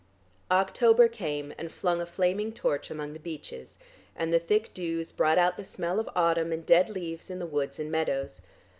October came and flung a flaming torch among the beeches, and the thick dews brought out the smell of autumn and dead leaves in the woods and meadows.